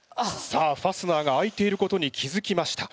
さあファスナーが開いていることに気付きました。